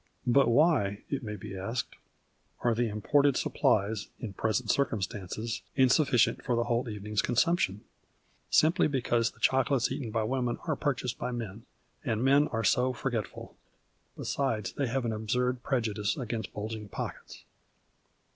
But why, it may be asked, are the imported supplies, in present circumstances, insufficient for the whole evening's consumption ? Simply because the choco lates eaten by women are purchased by men, and men arc so forgetful. Besides they have an absurd prejudice against bulging pockets.